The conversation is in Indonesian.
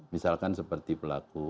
misalkan seperti pelaku